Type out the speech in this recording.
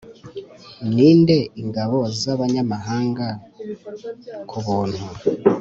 ninde ingabo z'abanyamahanga kubuntu